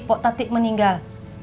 pok tati meninggal